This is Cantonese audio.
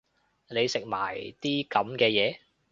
你食埋啲噉嘅嘢